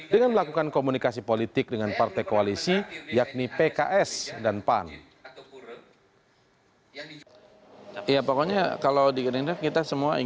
dengan melakukan komunikasi politik dengan partai koalisi yakni pks dan pan